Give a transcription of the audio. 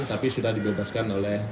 tapi sudah dibebaskan oleh